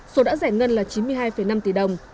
số đã giải ngân là chín mươi hai năm tỷ đồng